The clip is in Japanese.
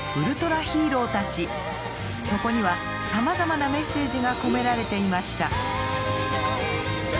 そこにはさまざまなメッセージが込められていました。